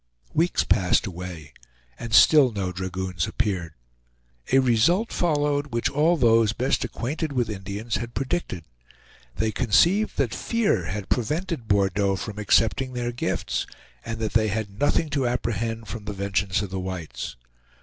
Weeks passed away, and still no dragoons appeared. A result followed which all those best acquainted with Indians had predicted. They conceived that fear had prevented Bordeaux from accepting their gifts, and that they had nothing to apprehend from the vengeance of the whites.